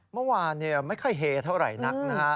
เมื่อวานไม่ค่อยเฮเท่าไหร่นักนะฮะ